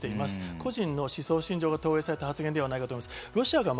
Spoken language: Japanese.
個人の思想信条が投影された発言ではないかと思います。